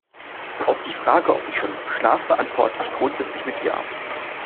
Auf die Frage, ob ich schon schlafe, antworte ich grundsätzlich mit ja.